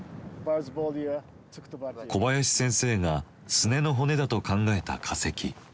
小林先生がすねの骨だと考えた化石。